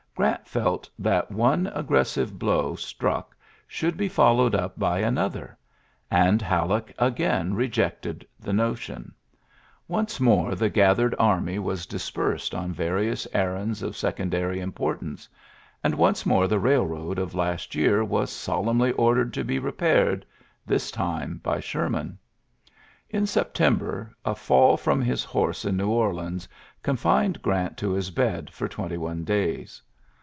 Grant felt that one aggressive blow struck should be followed up by an other; and Halleck again rejected the notion. Once more the gathered army iiurary *^oi^ AflK< 82 ULYSSES S. GBAST WQS dispersed on various errands of sec ondary importance; and once more th railroad of last year was solemnly ordere to be repaired; this time by Sherman In September a fall from his horse i "Sew Orleans confined Grant to his be for twenty one days.